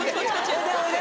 おいでおいで。